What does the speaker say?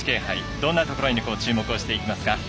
どんなところに注目をしていきますか。